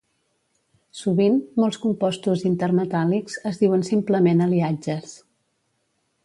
Sovint, molts compostos intermetàl·lics es diuen simplement aliatges.